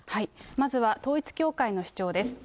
まずは統一教会の主張です。